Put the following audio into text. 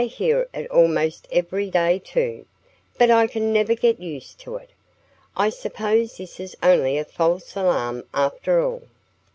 "I hear it almost every day, too. But I never can get used to it.... I suppose this is only a false alarm, after all."